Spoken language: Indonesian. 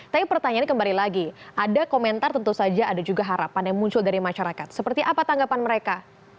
tapi pertanyaannya kembali lagi ada komentar tentu saja ada juga harapan yang muncul dari masyarakat seperti apa tanggapan mereka